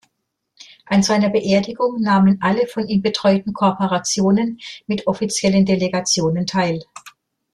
An seiner Beerdigung nahmen alle von ihm betreuten Korporationen mit offiziellen Delegationen teil.